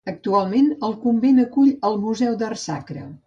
Actualment, el convent acull el Museu d'Art Sacre.